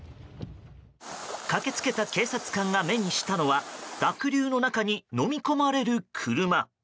駆けつけた警察官が目にしたのは濁流の中にのみ込まれる車。